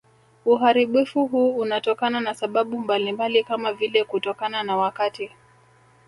Uharibifu huu unatokana na sababu mbalimbali kama vile kutokana na wakati